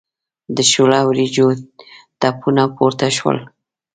د شوله وریجو تپونه پورته شول.